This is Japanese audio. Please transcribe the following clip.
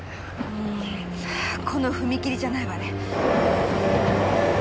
うーんこの踏切じゃないわね。